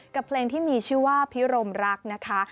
กับเพลงที่มีชื่อว่าพิรมรักนะคะ